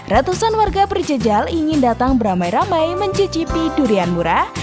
ratusan warga berjejal ingin datang beramai ramai mencicipi durian murah